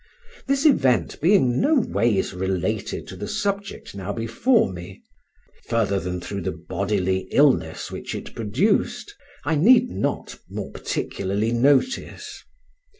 This event being no ways related to the subject now before me, further than through the bodily illness which it produced, I need not more particularly notice.